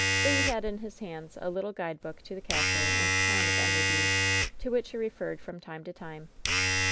Le had in his hands a little guidebook to the castle and town of Enderby, to which he referred from time to time.